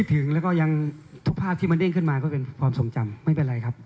ทุกภาพที่มันเดินขึ้นมาไม่เป็นไรครับ